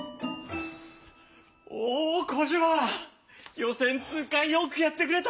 予選通過よくやってくれた！